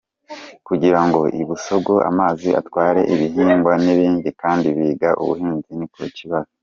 Kugira ngo i Busogo amazi atware ibihingwa n’ibindi kandi biga ubuhinzi, ni ikibazo.